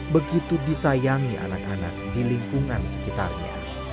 begitu disayangi anak anak di lingkungan sekitarnya